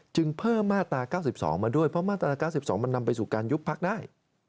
เพิ่มมาตรา๙๒มาด้วยเพราะมาตรา๙๒มันนำไปสู่การยุบพักได้